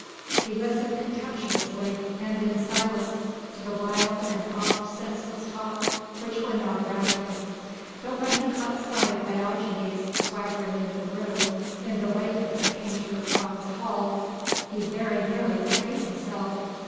He listened contemptuously and in silence to the wild and oft senseless talk which went on around him; but when he caught sight of Diogenes swaggering into the room in the wake of the painter Frans Hals he very nearly betrayed himself.